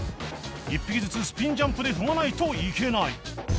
１匹ずつスピンジャンプで踏まないといけない